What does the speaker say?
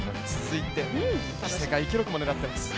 世界記録も狙っています。